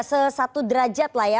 sesatu derajat lah ya